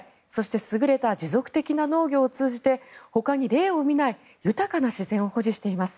優れた持続的な農業を通じて他に例を見ない豊かな自然を保持しています。